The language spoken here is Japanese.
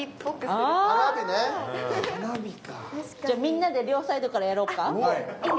じゃあみんなで両サイドからやろうか？